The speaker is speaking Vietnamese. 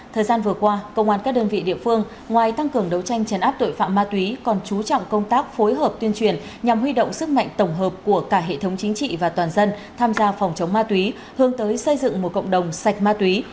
thời gian vừa qua công an các đơn vị địa phương ngoài tăng cường đấu tranh chấn áp tội phạm ma túy còn chú trọng công tác phối hợp tuyên truyền nhằm huy động sức mạnh tổng hợp của cả hệ thống chính trị và toàn dân tham gia phòng chống ma túy hướng tới xây dựng một cộng đồng sạch ma túy